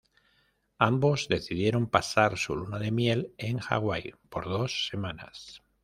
Ambos decidieron pasar su luna de miel en Hawaii por dos semanas.